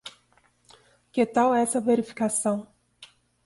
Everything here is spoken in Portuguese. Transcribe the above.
Que tal essa verificação?